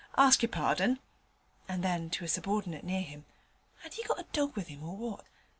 ask your pardon.' And then, to a subordinate near him, ''Ad he got a dog with him, or what?